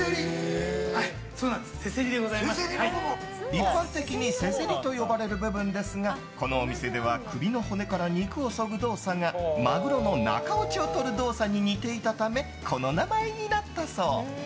一般的にせせりと呼ばれる部分ですがこのお店では、首の骨から肉をそぐ動作がマグロのなかおちをとる動作に似ているためこの名前になったそう。